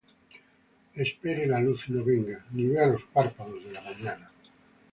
Espere la luz, y no venga, Ni vea los párpados de la mañana: